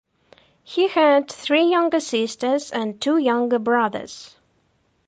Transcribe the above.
He had three younger sisters and two younger brothers.